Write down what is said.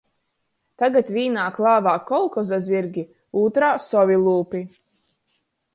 Tagad vīnā klāvā kolhoza zyrgi, ūtrā – sovi lūpi.